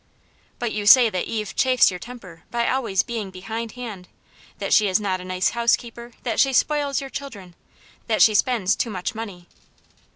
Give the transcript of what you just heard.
But you say that Eve chafes your temper by always being behind hand ; that she is not a nice house keeper, that she spoils your children, that she spends too much money.